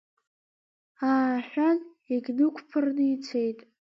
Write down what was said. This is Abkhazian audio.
Ааҳәан, иагьнықәԥырны ицеит.